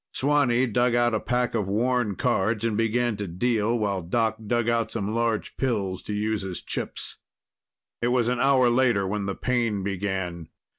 Swanee dug out a pack of worn cards and began to deal while Doc dug out some large pills to use as chips. It was an hour later when the pain began.